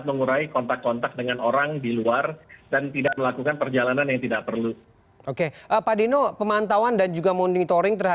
pengunucian wilayah atau lokasi di ibu kota bejing